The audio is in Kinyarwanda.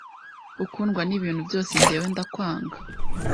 ukundwa n'ibintu byose Jyewe ndakwanga